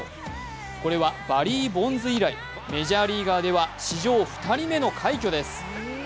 これはバリー・ボンズ以来、メジャーリーガーでは史上２人目の快挙です。